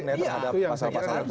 terhadap masalah masalah tersebut